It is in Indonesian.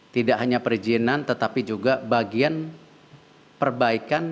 tidak hanya perizinan tetapi juga bagian perbaikan